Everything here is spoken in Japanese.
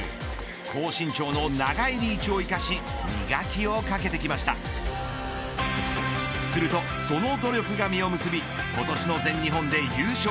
高身長の長いリーチを生かし磨きをかけてきましたすると、その努力が実を結び今年の全日本で優勝。